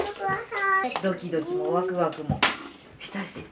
ドキドキもワクワクもしたし。